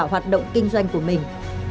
hoạt động kinh doanh của mình